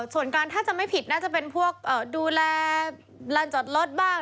ส่วนการถ้าจำไม่ผิดน่าจะเป็นพวกดูแลลานจอดรถบ้าง